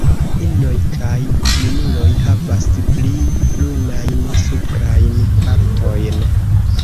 Inoj kaj junuloj havas pli brunajn suprajn partojn.